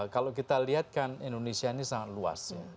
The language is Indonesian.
kalau kita lihat kan indonesia ini sangat luas ya